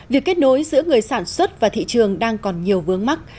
việc kết nối giữa người sản xuất và thị trường đang còn nhiều vướng mắt